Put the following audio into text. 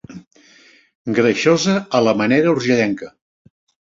Greixosa a la manera urgellenca.